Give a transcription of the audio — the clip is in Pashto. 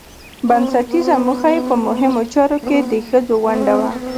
بنسټيزه موخه يې په مهمو چارو کې د ښځو ونډه وه